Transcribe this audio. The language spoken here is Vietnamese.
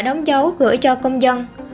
đóng dấu gửi cho công dân